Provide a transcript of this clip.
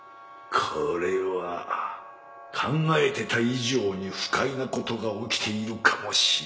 これは考えてた以上に不快なことが起きているかもしれぬ。